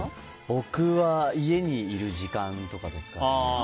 僕は家にいる時間とかですかね。